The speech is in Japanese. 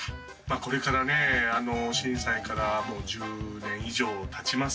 これからね震災からもう１０年以上経ちます。